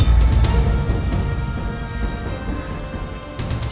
saya mau ke rumah